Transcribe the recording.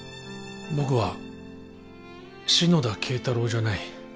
僕は篠田敬太郎じゃない